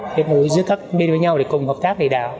kết nối giữa các bên với nhau để cùng hợp tác đầy đạo